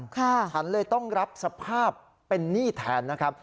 ฉันเลยต้องรับสภาพเป็นหนี้แทนนะครับ